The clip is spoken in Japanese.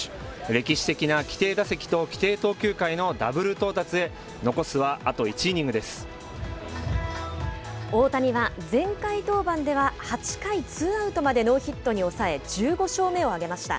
歴史的な規定打席と規定投球回のダブル到達へ、残すはあと１イニ大谷は前回登板では、８回ツーアウトまでノーヒットに抑え１５勝目を挙げました。